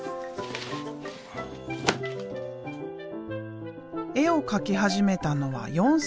絵を描き始めたのは４歳の頃。